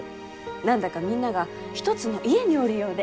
何だかみんなが一つの家におるようで。